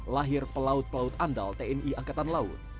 lahir pelaut pelaut andal tni angkatan laut